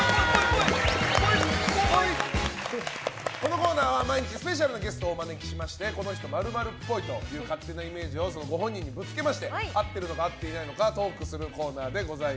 このコーナーは毎日スペシャルなゲストをお招きしてこの人○○っぽいという勝手なイメージをご本人にぶつけまして合っているのか合っていないのかトークするコーナーです。